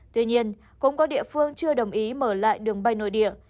tuy nhiên cũng có địa phương chưa đồng ý mở lại đường bay nội địa